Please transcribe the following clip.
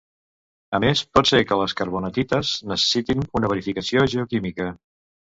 A més, pot ser que les carbonatites necessitin una verificació geoquímica.